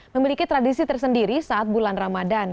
memiliki tradisi tersendiri saat bulan ramadan